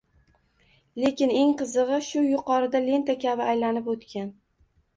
Lekin, eng qizig‘i, shu yuqorida lenta kabi aylanib o‘tgan